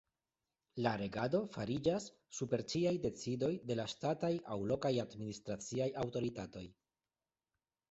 La regado fariĝas super ĉiaj decidoj de la ŝtataj aŭ lokaj administraciaj aŭtoritatoj.